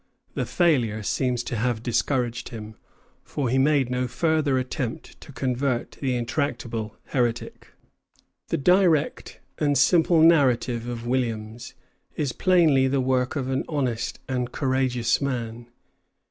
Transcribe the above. The failure seems to have discouraged him, for he made no further attempt to convert the intractable heretic. The direct and simple narrative of Williams is plainly the work of an honest and courageous man.